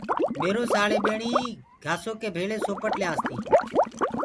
ميرو سآݪي ٻيڻ گھآسو ڪي ڀݪي سوپٽ ليآس تي۔